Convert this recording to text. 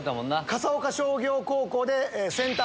笠岡商業高校で。